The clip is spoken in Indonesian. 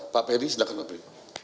pak peri silahkan beri